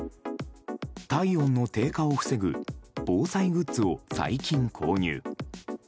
体温の低下を防ぐ防災グッズを最近購入。